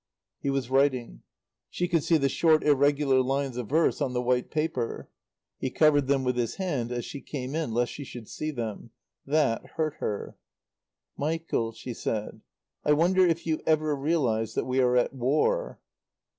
He was writing. She could see the short, irregular lines of verse on the white paper. He covered them with his hand as she came in lest she should see them. That hurt her. "Michael," she said, "I wonder if you ever realize that we are at war."